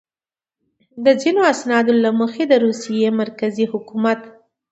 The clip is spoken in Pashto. د ځینو اسنادو له مخې د روسیې مرکزي حکومت.